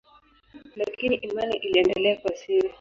Lakini imani iliendelea kwa siri.